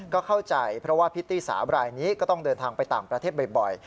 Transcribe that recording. ก็เข้าใจเพราะว่าพิตตี้สาวรายนี้ก็ต้องเดินทางไปต่างประเทศบ่อย